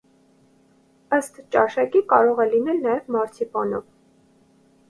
Ըստ ճաշակի կարող է լինել նաև մարցիպանով։